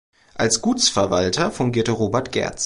Als Gutsverwalter fungierte Robert Gerdtz.